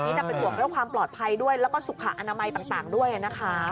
แต่เป็นห่วงเรื่องความปลอดภัยด้วยแล้วก็สุขอนามัยต่างด้วยนะคะ